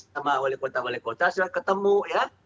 sama wali kota wali kota sudah ketemu ya